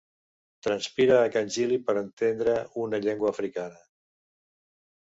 Transpira a can Gili per entendre una llengua africana.